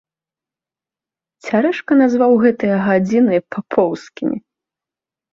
Цярэшка назваў гэтыя гадзіны папоўскімі.